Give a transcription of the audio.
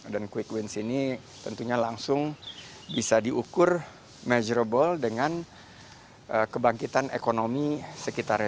dan quick wins ini tentunya langsung bisa diukur measurable dengan kebangkitan ekonomi sekitarnya